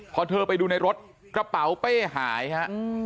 พอเธอไปดูในรถกระเป๋าเป้หายฮะ